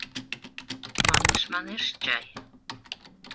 Манеш-манеш чай.